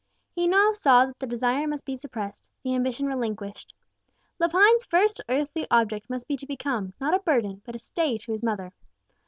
He now saw that the desire must be suppressed, the ambition relinquished. Lepine's first earthly object must be to become, not a burden, but a stay to his mother.